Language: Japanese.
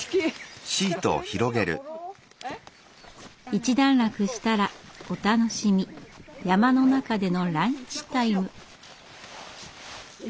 一段落したらお楽しみ山の中でのランチタイム。